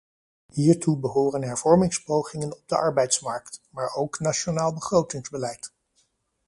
Hiertoe behoren hervormingspogingen op de arbeidsmarkt, maar ook nationaal begrotingsbeleid.